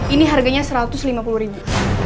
ini harganya satu ratus lima puluh ribu